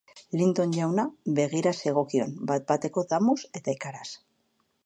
Linton jauna begira zegokion bat-bateko damuz eta ikaraz.